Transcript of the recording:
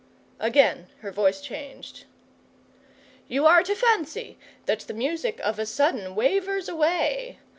Again her voice changed. 'You are to fancy that the music of a sudden wavers away.